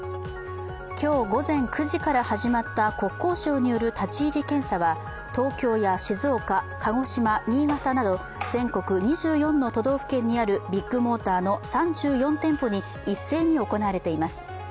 今日午前９時から始まった国交省による立ち入り検査は、東京や静岡、鹿児島、新潟など全国２４の都道府県にあるビッグモーターの３４店舗に一斉に行われています。